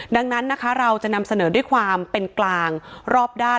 ดังนั้นนะคะเราจะนำเสนอด้วยความเป็นกลางรอบด้าน